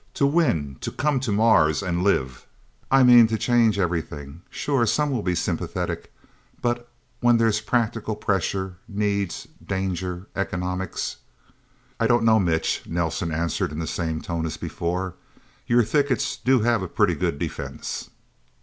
"To win, to come to Mars and live, I mean to change everything. Sure some will be sympathetic. But when there's practical pressure need danger economics...?" "I don't know, Mitch," Nelsen answered in the same tone as before. "Your thickets do have a pretty good defense."